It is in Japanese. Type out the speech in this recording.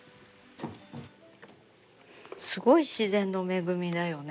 すごい自然の恵みだよね。